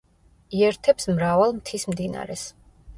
იერთებს მრავალ მთის მდინარეს.